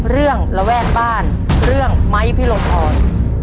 เรื่องระแวกบ้านเรื่องไม้พิโลธร